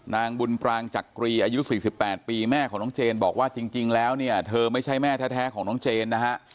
นางบุญปรางจักรีอายุ๔๘ปีแม่ของน้องเจนบอกว่าจริงแล้วเนี่ยเธอไม่ใช่แม่แท้ของน้องเจนนะฮะ